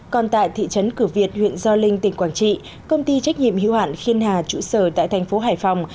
còn tại thị trấn cửa việt huyện gio linh tỉnh quảng trị công ty trách nhiệm hưu hạn khiên hà trụ sở tại thành phố hải phòng